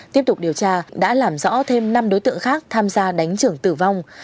tiếp tục điều tra đã làm rõ thêm năm đối tượng khác tham gia đánh trưởng tử vong